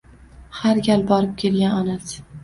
Har gal borib kelgan onasi